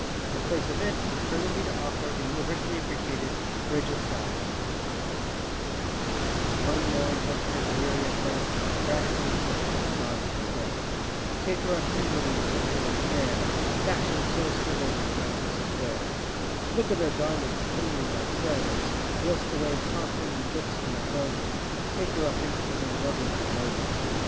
In place of it permit me to offer the universally appreciated ŌĆ£Bridge of SighsŌĆØ:ŌĆö One more Unfortunate, Weary of breath, Rashly importunate Gone to her death! Take her up tenderly, Lift her with care; ŌĆö FashionŌĆÖd so slenderly, Young and so fair! Look at her garments Clinging like cerements; Whilst the wave constantly Drips from her clothing; Take her up instantly, Loving not loathing.